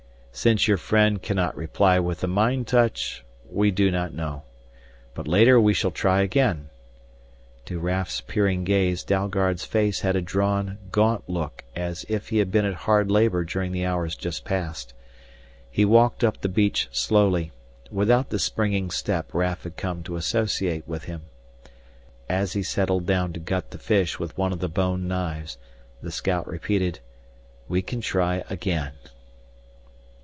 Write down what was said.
"Since your friend cannot reply with the mind touch, we do not know. But later we shall try again." To Raf's peering gaze Dalgard's face had a drawn, gaunt look as if he had been at hard labor during the hours just past. He walked up the beach slowly, without the springing step Raf had come to associate with him. As he settled down to gut the fish with one of the bone knives, the scout repeated, "We can try again